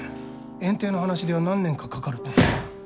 園丁の話では何年かかかると。